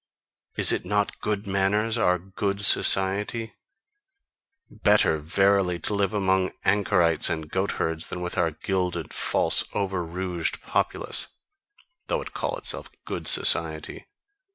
Is it not 'good manners'? Our 'good society'? Better, verily, to live among anchorites and goat herds, than with our gilded, false, over rouged populace though it call itself 'good society.